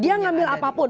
dia mengambil apapun